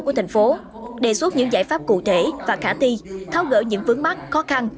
của thành phố đề xuất những giải pháp cụ thể và khả ti tháo gỡ những vướng mắt khó khăn